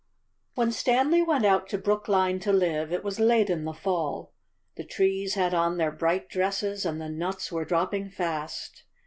When Stanley went out to Brookline to live it was late in the fall. The trees had on their bright dresses, and the nuts were dropping fast.